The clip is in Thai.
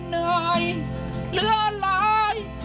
เหนื่อยเหลือหลาย